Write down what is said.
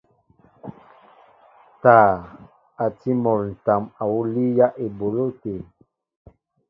Taa a tí mol ǹtam awǔ líyá eboló te.